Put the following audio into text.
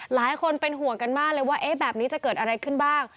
หลายคนเป็นห่วงกันมากเลยว่าแบบนี้จะเกิดอะไรขึ้นบ้าง